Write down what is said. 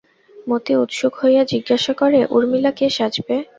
মতি উৎসুক হইয়া জিজ্ঞাস করে, উর্মিলা কে সাজবে?